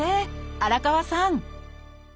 荒川さん